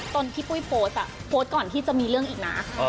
ที่ปุ้ยโพสต์โพสต์ก่อนที่จะมีเรื่องอีกนะ